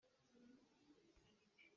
Ram niam ah raifanh a tam.